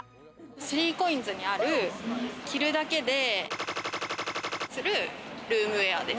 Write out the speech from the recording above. ３ＣＯＩＮＳにある着るだけでするルームウェアです。